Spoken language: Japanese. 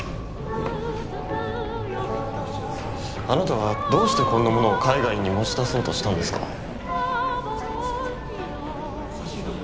あなたはどうしてこんなものを海外に持ち出そうとしたんですか？